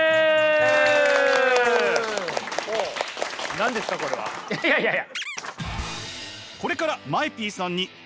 何ですかこれは？いやいやいや。